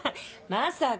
まさか。